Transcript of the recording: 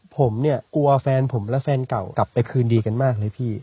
ผมเนี่ยกลัวแฟนผมและแฟนเก่ากลับไปคืนดีกันมากเลยพี่